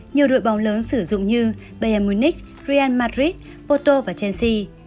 nhiều đội bóng lớn sử dụng như bayern munich real madrid porto và chelsea